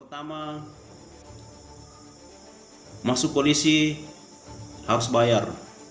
pertama masuk polisi harus bayar